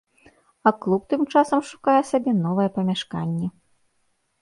А клуб тым часам шукае сабе новае памяшканне.